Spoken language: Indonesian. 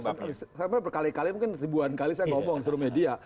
saya pernah berkali kali mungkin ribuan kali saya ngomong sebelumnya dia